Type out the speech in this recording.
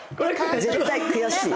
絶対悔しい。